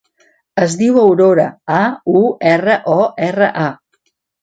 Es diu Aurora: a, u, erra, o, erra, a.